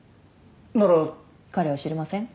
なら彼は知りません